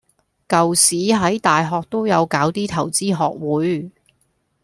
舊時喺大學都有搞啲投資學會